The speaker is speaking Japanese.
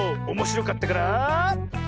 おもしろかったから。